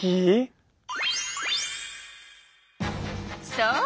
そう！